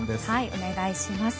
お願いします。